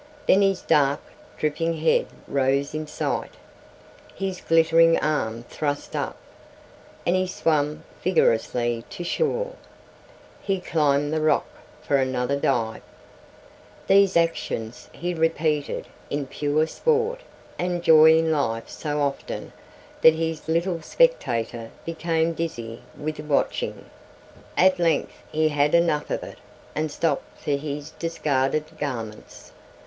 Then his dark, dripping head rose in sight, his glittering arm thrust up, and he swam vigorously to shore. He climbed the rock for another dive. These actions he repeated in pure sport and joy in life so often that his little spectator became dizzy with watching. At length he had enough of it and stooped for his discarded garments.